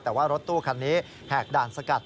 แต่ว่ารถตู้คันนี้แหกด่านสกัด